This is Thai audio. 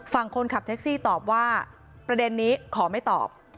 ฝั่งคนขับแท็กซี่ตอบว่าประเด็นนี้ขอไม่ตอบ